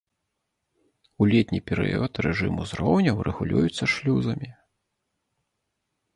У летні перыяд рэжым узроўняў рэгулюецца шлюзамі.